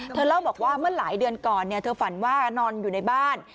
เล่าบอกว่าเมื่อหลายเดือนก่อนเธอฝันว่านอนอยู่ในบ้าน